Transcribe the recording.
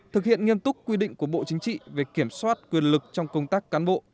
thực hiện nghiêm túc quy định của bộ chính trị về kiểm soát quyền lực trong công tác cán bộ